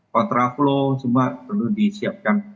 kontra flow cuma perlu disiapkan